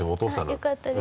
良かったです。